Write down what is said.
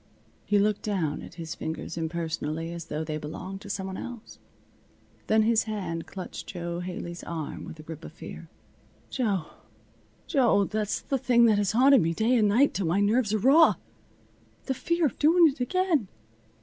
He looked down at his fingers impersonally, as though they belonged to some one else. Then his hand clutched Jo Haley's arm with the grip of fear. "Jo! Jo! That's the thing that has haunted me day and night, till my nerves are raw. The fear of doing it again.